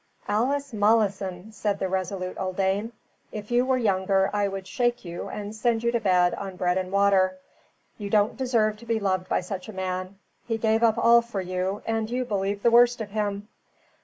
"Alice Malleson," said the resolute old dame, "if you were younger I would shake you and send you to bed on bread and water. You don't deserve to be loved by such a man. He gave up all for you, and you believe the worst of him."